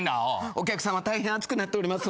お客さま大変熱くなっておりますので。